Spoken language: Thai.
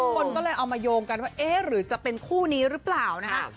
คนก็เลยเอามาโยงกันว่าเอ๊ะหรือจะเป็นคู่นี้หรือเปล่านะคะ